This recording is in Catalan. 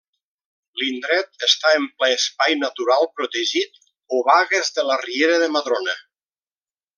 L'indret està en ple espai natural protegit Obagues de la riera de Madrona.